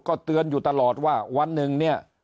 ก็เตือนอยู่ตลอดว่าวันหนึ่งเนี่ย